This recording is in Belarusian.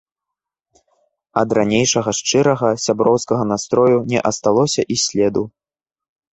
Ад ранейшага шчырага, сяброўскага настрою не асталося і следу.